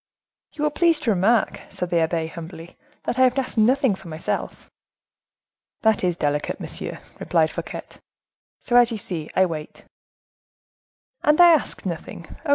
"You will please to remark," said the abbe, humbly, "that I have asked nothing for myself." "That is delicate, monsieur," replied Fouquet; "so, as you see, I wait." "And I ask nothing, oh!